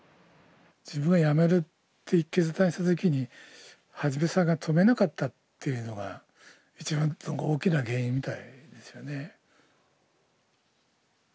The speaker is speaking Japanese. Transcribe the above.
自分が辞めるって決断した時に一さんが止めなかったっていうのが一番大きな原因みたいですよね。